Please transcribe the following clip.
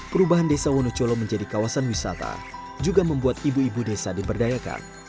perubahan desa wonocolo menjadi kawasan wisata juga membuat ibu ibu desa diberdayakan